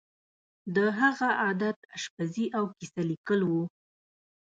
د هغه عادت آشپزي او کیسه لیکل وو